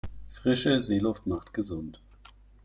Frische Seeluft macht gesund.